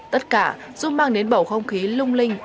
tất cả giúp mang đến bầu không khí lung linh